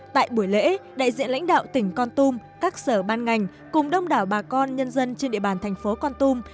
tại buổi lễ đại diện lãnh đạo tỉnh con tum các sở ban ngành cùng đông đảo bà con nhân dân trên địa bàn thành phố con tum